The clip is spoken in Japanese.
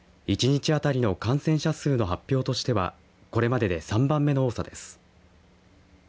１日当たりの感染者数の発表としてはこれまでで３番目の多さです。